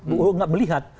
orang gak melihat